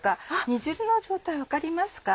煮汁の状態分かりますか？